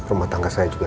rumah tangga saya juga